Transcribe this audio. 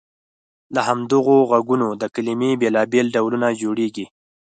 له همدغو غږونو د کلمې بېلابېل ډولونه جوړیږي.